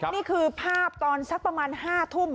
นี่คือภาพตอนสักประมาณ๕ทุ่ม